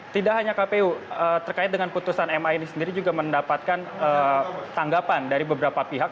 tidak hanya kpu terkait dengan putusan ma ini sendiri juga mendapatkan tanggapan dari beberapa pihak